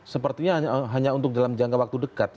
sepertinya hanya untuk dalam jangka waktu dekat